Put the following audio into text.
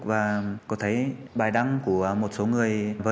và có thấy bài đăng của một số người